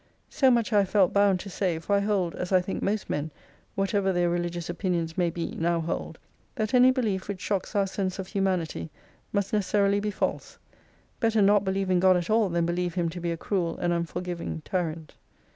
So much I have felt bound to say, for I hold (as I think most men, whatever their religious opinions may be, now hold) that any belief which shocks our sense of humanity must necessarily be false. Better not believe in God at all than believe Him to be a cruel and unfor giving tyrant.